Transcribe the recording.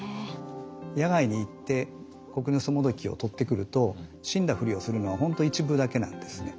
野外に行ってコクヌストモドキをとってくると死んだふりをするのは本当一部だけなんですね。